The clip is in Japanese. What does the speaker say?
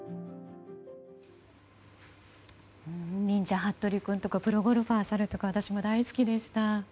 「忍者ハットリくん」とか「プロゴルファー猿」とか私も大好きでした。